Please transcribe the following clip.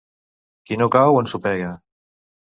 Qui no cau, ensopega.